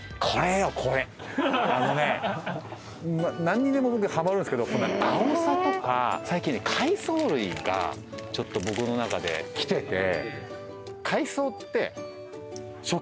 何にでもはまるんですけどあおさとか最近海藻類がちょっと僕の中できてて。